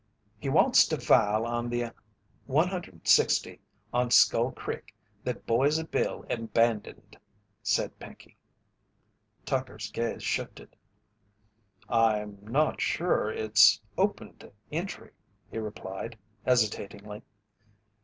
"He wants to file on the 160 on Skull Crick that Boise Bill abandoned," said Pinkey. Tucker's gaze shifted. "I'm not sure it's open to entry," he replied, hesitatingly.